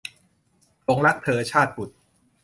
หลงรักเธอ - ชาตบุษย์